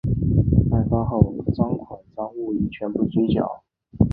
案发后赃款赃物已全部追缴。